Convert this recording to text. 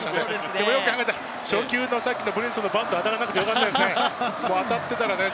でもよく考えたら初球のさっきのブリンソンが当たらなくて、よかったですよね。